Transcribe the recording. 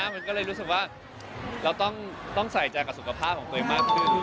มันก็เลยรู้สึกว่าเราต้องใส่ใจกับสุขภาพของตัวเองมากขึ้น